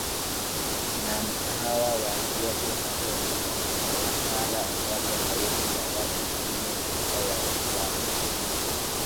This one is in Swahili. na mkahawa wa ethiopia hapo kavalakala ambapo zaidi ya watu sabini na sita waliwawa